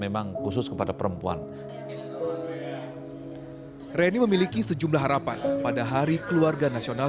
memang khusus kepada perempuan reni memiliki sejumlah harapan pada hari keluarga nasional